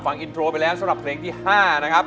ฟังอินโทรไปแล้วสำหรับเพลงที่๕นะครับ